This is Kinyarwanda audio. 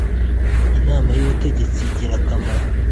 inama y’ ubutegetsi igira akamaro.